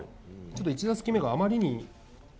ちょっと１打席目が、あまりに。